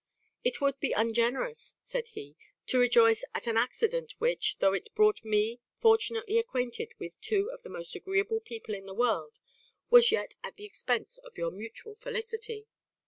'It would be ungenerous,' said he, 'to rejoice at an accident which, though it brought me fortunately acquainted with two of the most agreeable people in the world, was yet at the expense of your mutual felicity.